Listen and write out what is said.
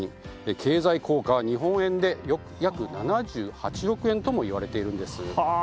経済効果は日本円で約７８億円ともいわれています。